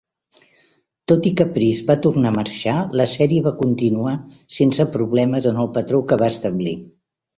Tot i que Price va tornar a marxar, la sèrie va continuar sense problemes en el patró que va establir.